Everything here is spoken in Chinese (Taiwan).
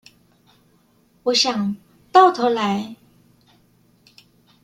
我想，到頭來